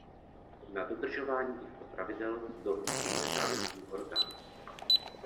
Na dodržování těchto pravidel dohlíží nezávislý orgán.